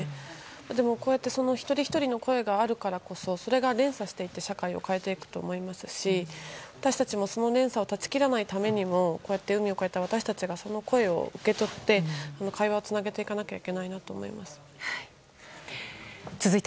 でも一人ひとりの声があるからこそそれが連鎖していって社会を変えていくと思いますし私たちもその連鎖を断ち切らないためにも海を越えた私たちが、その声を受け取って会話をつなげていかなきゃいけないなと思いました。